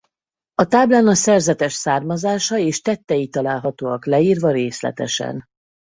A táblán a szerzetes származása és tettei találhatóak leírva részletesen.